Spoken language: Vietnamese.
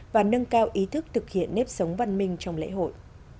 và nâng cao ý thức thực hiện nếp sống văn minh trong lễ hội